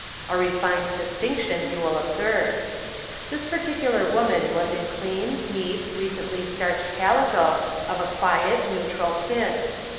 A refined distinction you will observe. This particular woman was in clean, neat, recently starched calico, of a auiet, neutral tint.